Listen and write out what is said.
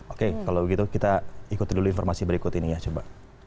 oke kalau begitu kita ikuti dulu informasi berikut ini ya coba